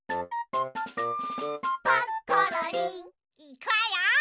いくわよ！